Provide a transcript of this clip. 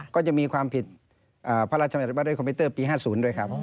ก็จะมีความผิดพระราชมัติว่าด้วยคอมพิวเตอร์ปี๕๐ด้วยครับ